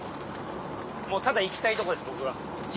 もうただ行きたいとこです僕が。